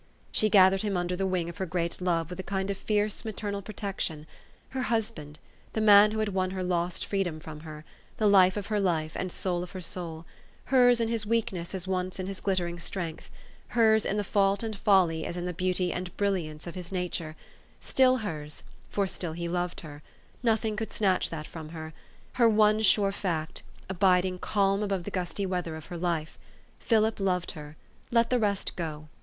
She gathered him under the wing of her great love with a kind of fierce maternal pro tection ; her husband, the man who had won her lost freedom from her ; life of her life, and soul of her soul ; hers in his weakness as once in his glit tering strength ; hers in the fault and folly as in the beauty and the brilliance of his nature ; still hers, 324 THE STORY OF AVIS. for still he loved her: nothing could snatch that from her, her one sure fact, abiding calm above the gusty weather of her life. Philip loved her : let the rest go.